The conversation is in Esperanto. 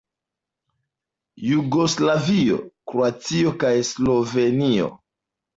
Jugoslavio, Kroatio kaj Slovenio.